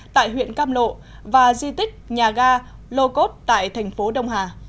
tại huyện cam lộ và di tích nhà ga lô cốt tại thành phố đông hà